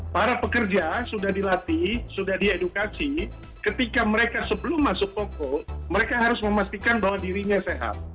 para pekerja sudah dilatih sudah diedukasi ketika mereka sebelum masuk toko mereka harus memastikan bahwa dirinya sehat